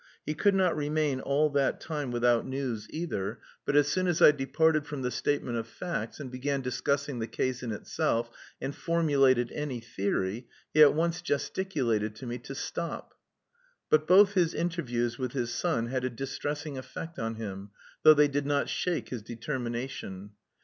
He could not remain all that time without news either; but as soon as I departed from the statement of facts, and began discussing the case in itself, and formulated any theory, he at once gesticulated to me to stop. But both his interviews with his son had a distressing effect on him, though they did not shake his determination.